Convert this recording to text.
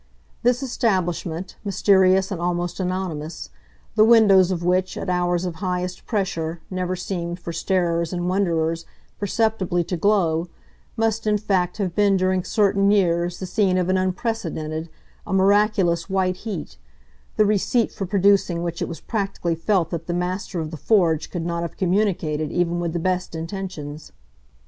This establishment, mysterious and almost anonymous, the windows of which, at hours of highest pressure, never seemed, for starers and wonderers, perceptibly to glow, must in fact have been during certain years the scene of an unprecedented, a miraculous white heat, the receipt for producing which it was practically felt that the master of the forge could not have communicated even with the best intentions.